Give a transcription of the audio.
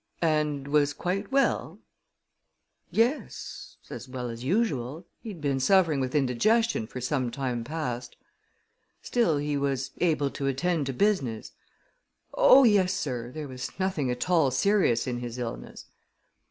"And was quite well?" "Yes as well as usual. He'd been suffering with indigestion for some time past." "Still he was able to attend to business?" "Oh, yes, sir. There was nothing at all serious in his illness."